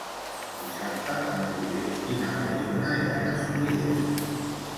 Dissabte en Roger i na Mariona iran a Soriguera.